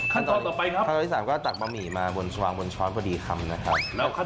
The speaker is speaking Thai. ขั้นสุดท้ายทานได้อย่างอริ่กอร่อยครับ